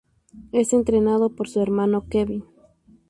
Es entrenado por su hermano Kevin.